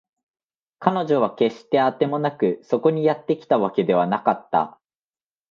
彼女は決してあてもなくそこにやってきたわけではなかった